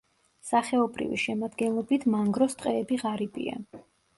სახეობრივი შემადგენლობით მანგროს ტყეები ღარიბია.